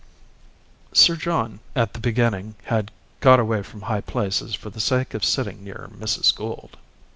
Sir John at the beginning had got away from high places for the sake of sitting near Mrs. Gould.